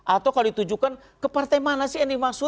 atau kalau ditujukan ke partai mana sih yang dimaksud